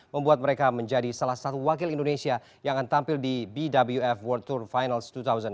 membuat mereka menjadi salah satu wakil indonesia yang akan tampil di bwf world tour finals dua ribu delapan belas